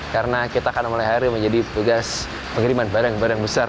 karena kita akan mulai hari menjadi tugas pengiriman barang barang besar